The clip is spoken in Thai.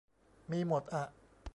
มีหมดอะ